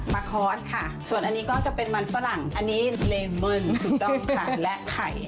มาคอร์สค่ะส่วนอันนี้ก็จะเป็นมันฝรั่งอันนี้เลเมินถูกต้องค่ะและไข่